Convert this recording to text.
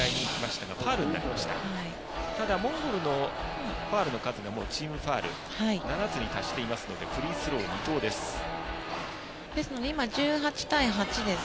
ただモンゴルのファウルの数がチームファウル７つに達していますのでフリースロー２投です。